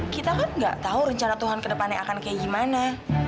kita kan gak tahu rencana tuhan ke depannya akan kayak gimana